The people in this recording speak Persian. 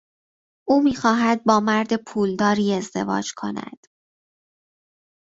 او میخواهد با مرد پولداری ازدواج کند.